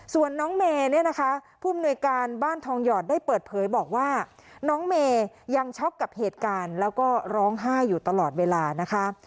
ส่วนน้องเมย์เนี่ยนะคะผู้อำนวยการบ้านทองหยอดได้เปิดเผยบอกว่าน้องเมย์ยังช็อกกับเหตุการณ์แล้วก็ร้องไห้อยู่ตลอดเวลานะคะ